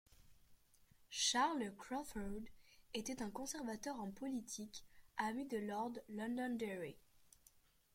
Charles Craufurd était un conservateur en politique, ami de Lord Londonderry.